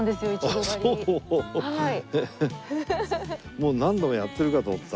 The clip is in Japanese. もう何度もやってるかと思った。